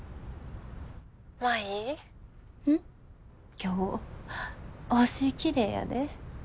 今日星きれいやで。